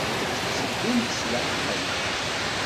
Tetteddum s leɛqel.